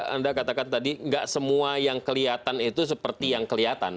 anda katakan tadi nggak semua yang kelihatan itu seperti yang kelihatan